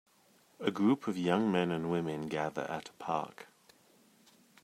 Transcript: A group of young men and woman gather at a park.